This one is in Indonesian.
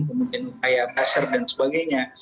kemudian upaya pasar dan sebagainya